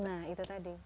nah itu tadi